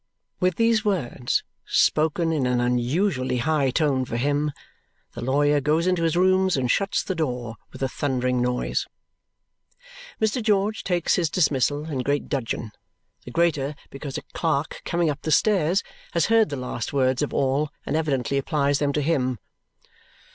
With these words, spoken in an unusually high tone for him, the lawyer goes into his rooms and shuts the door with a thundering noise. Mr. George takes his dismissal in great dudgeon, the greater because a clerk coming up the stairs has heard the last words of all and evidently applies them to him.